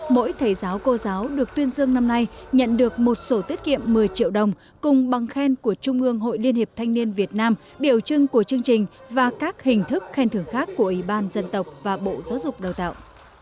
mỗi thầy giáo cô giáo được tuyên dương năm nay nhận được một sổ tiết kiệm một mươi triệu đồng cùng bằng khen của trung ương hội liên hiệp thanh niên việt nam biểu trưng của chương trình và các hình thức khen thưởng khác của ủy ban dân tộc và bộ giáo dục đào tạo